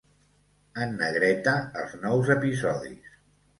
En negreta els nous episodis.